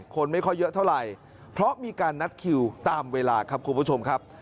คนไม่ค่อยเยอะเท่าไหร่เพราะมีการนัดคิวตามเวลาครับคุณผู้ชมครับ